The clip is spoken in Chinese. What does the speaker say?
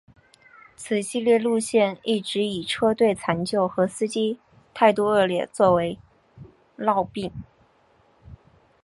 此系列路线一直以车队残旧和司机态度恶劣作为垢病。